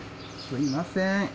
すいません。